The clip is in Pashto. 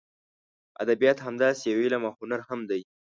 ادبیات همداسې یو علم او هنر هم دی.